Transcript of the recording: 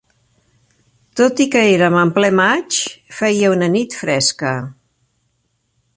Tot i que érem en ple maig, feia una nit fresca